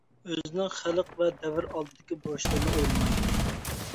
ئۆزىنىڭ خەلق ۋە دەۋر ئالدىدىكى بۇرچلىرىنى ئويلىمايدۇ.